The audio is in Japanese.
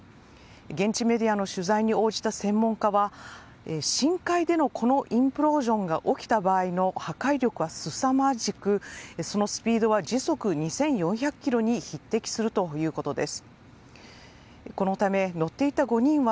現地メディアの取材に応じた専門家は深海で、このインプロージョンが起きた場合の破壊力はすさまじくそのスピードは時速２４００キロに匹敵するということです。